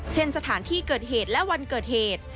สถานที่เกิดเหตุและวันเกิดเหตุ